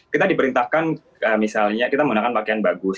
kita diperintahkan misalnya kita menggunakan pakaian bagus